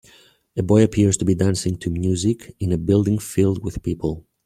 A boy appears to be dancing to music in a building filled with people.